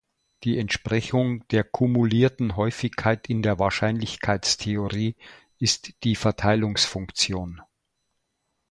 Die Entsprechung der kumulierten Häufigkeit in der Wahrscheinlichkeitstheorie ist die Verteilungsfunktion.